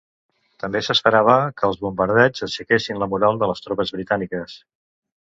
També s'esperava que els bombardeigs aixequessin la moral de les tropes britàniques.